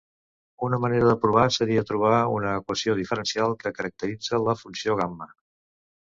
Una manera de provar seria trobar una equació diferencial que caracteritza la funció gamma.